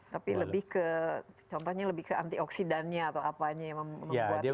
tapi contohnya lebih ke anti oksidannya atau apanya yang membuat imun